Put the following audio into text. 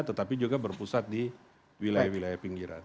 tetapi juga berpusat di wilayah wilayah pinggiran